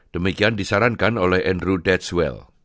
demikian disarankan oleh andrew detswell